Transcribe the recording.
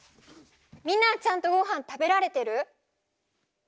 みんなはちゃんとごはん食べられてる？